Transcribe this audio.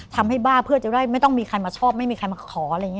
ทำให้บ้าเพื่อจะได้ไม่ต้องมีใครมาชอบไม่มีใครมาขอ